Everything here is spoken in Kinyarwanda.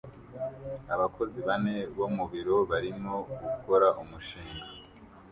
Abakozi bane bo mu biro barimo gukora umushinga